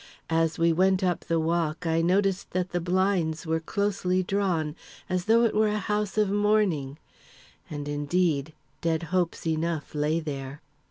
As we went up the walk, I noticed that the blinds were closely drawn, as though it were a house of mourning and, indeed, dead hopes enough lay there!